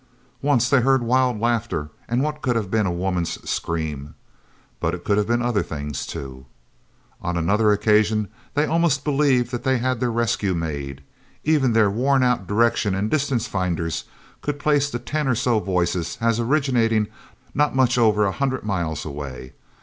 Once they heard wild laughter, and what could have been a woman's scream. But it could have been other things, too. On another occasion, they almost believed that they had their rescue made. Even their worn out direction and distance finders could place the ten or so voices as originating not much over a hundred miles away.